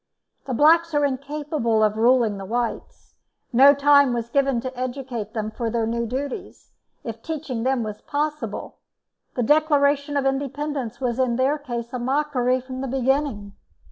The blacks are incapable of ruling the whites; no time was given to educate them for their new duties, if teaching them was possible; the Declaration of Independence was in their case a mockery from the beginning.